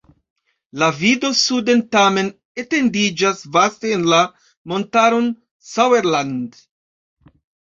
La vido suden tamen etendiĝas vaste en la montaron Sauerland.